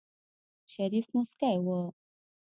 شريف موسکی و.